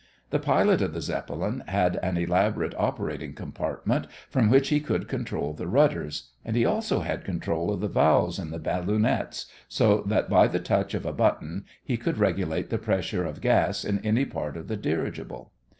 The pilot of the Zeppelin had an elaborate operating compartment from which he could control the rudders, and he also had control of the valves in the ballonets so that by the touch of a button he could regulate the pressure of gas in any part of the dirigible.